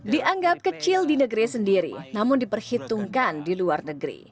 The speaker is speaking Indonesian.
dianggap kecil di negeri sendiri namun diperhitungkan di luar negeri